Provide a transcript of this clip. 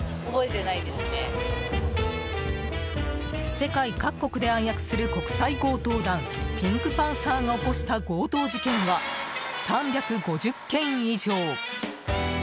世界各国で暗躍する国際強盗団ピンクパンサーが起こした強盗事件は３５０件以上。